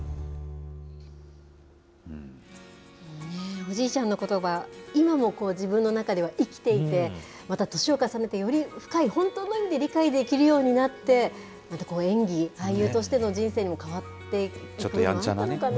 おじいちゃんのことば、今も自分の中では生きていて、また年を重ねて、より深い本当の意味で理解できるようになって、また演技、俳優としての、変わっていくのかなと。